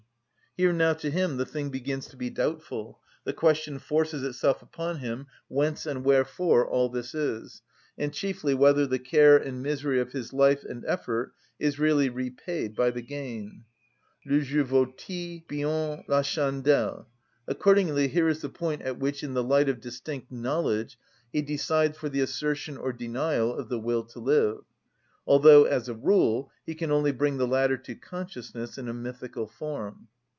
Here now to him the thing begins to be doubtful, the question forces itself upon him whence and wherefore all this is, and chiefly whether the care and misery of his life and effort is really repaid by the gain? "Le jeu vaut‐il bien la chandelle?" Accordingly here is the point at which, in the light of distinct knowledge, he decides for the assertion or denial of the will to live; although as a rule he can only bring the latter to consciousness in a mythical form.